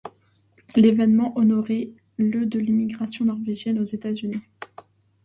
L'événement honorait le de l'immigration norvégienne aux États-Unis.